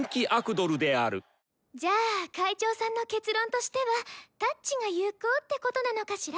じゃあ会長さんの結論としてはタッチが有効ってことなのかしら？